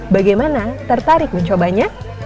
bagaimana tertarik mencobanya